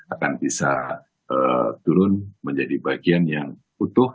akan bisa turun menjadi bagian yang utuh